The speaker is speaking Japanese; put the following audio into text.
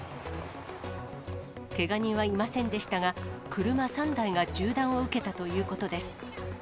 けが人はいませんでしたが、車３台が銃弾を受けたということです。